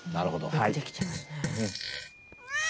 よくできてますね。